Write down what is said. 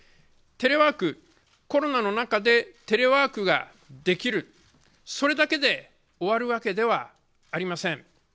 テレワーク、コロナの中でテレワークができるそれだけで終わるわけではありません。